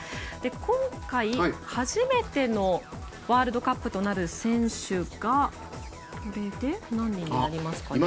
今回、初めてのワールドカップとなる選手がこれで、何人になりますかね。